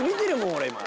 俺今。